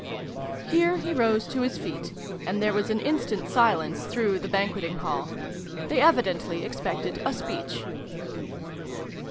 Here he rose to his feet, and there was an instant silence through the Banqueting Hall: they evidently expected a speech.